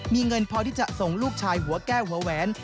มีเงินพอที่จะส่งลูกชายหัวแก้วหัวแหวน